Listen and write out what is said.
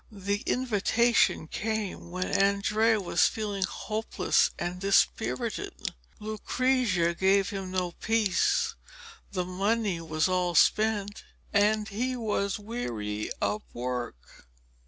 The invitation came when Andrea was feeling hopeless and dispirited. Lucrezia gave him no peace, the money was all spent, and he was weary of work.